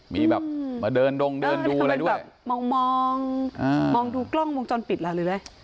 มีแบบมาเดินดูอะไรด้วยมองมองดูกล้องมองจอนปิดหรืออะไร